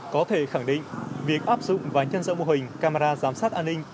có thể khẳng định việc áp dụng và nhân dỡ mô hình camera giám sát an ninh